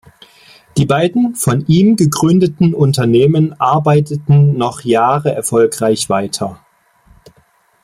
Die beiden von ihm gegründeten Unternehmen arbeiteten noch Jahre erfolgreich weiter.